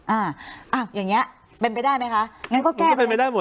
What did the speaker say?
อ่าอ้าวอย่างเงี้ยเป็นไปได้ไหมคะงั้นก็แก้ก็เป็นไปได้หมด